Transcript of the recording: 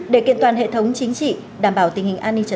để kiện toàn hệ thống chính trị đảm bảo tình hình an ninh trọng